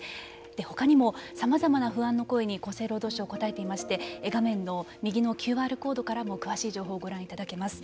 ほかにも、さまざまな不安の声に厚生労働省答えていまして画面の右のＱＲコードからも詳しい情報をご覧いただけます。